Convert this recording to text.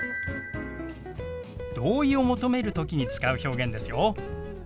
同意を求める時に使う表現ですよ。